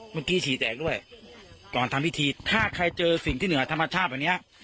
ฉี่แตกด้วยก่อนทำพิธีถ้าใครเจอสิ่งที่เหนือธรรมชาติอันเนี้ย